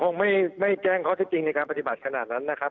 คงไม่แจ้งข้อเท็จจริงในการปฏิบัติขนาดนั้นนะครับ